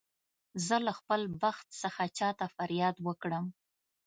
زه له خپل بخت څخه چا ته فریاد وکړم.